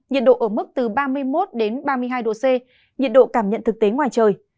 nhiệt độ ở mức từ ba mươi một đến ba mươi hai độ c nhiệt độ cảm nhận thực tế ngoài trời